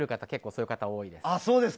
そういう方多いです。